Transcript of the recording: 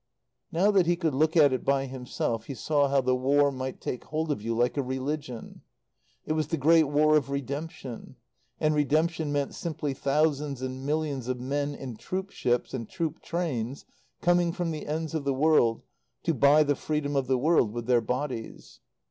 Now that he could look at it by himself he saw how the War might take hold of you like a religion. It was the Great War of Redemption. And redemption meant simply thousands and millions of men in troop ships and troop trains coming from the ends of the world to buy the freedom of the world with their bodies.